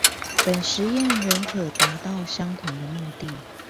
本實驗仍可達到相同的目的